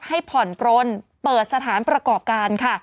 ให้ผ่อนปลนเปิดสถานประกอบการค่ะ